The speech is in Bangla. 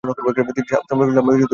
তিনি সাউদাম্পটন ক্লাবে যোগ দেন।